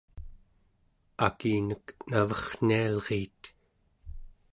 akinek naverrnialriit